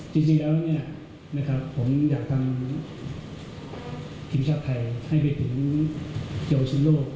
จริงแล้วผมอยากทำทีมชาติไทยให้ไปถึงเยาวชนโลก